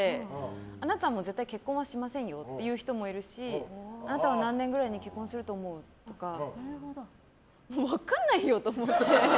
あなたはもう絶対、結婚はしませんよっていう人もいるしあなたは何年ぐらいに結婚すると思うとかもう分かんないよって思って。